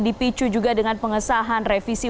dipicu juga dengan pengesahan revisi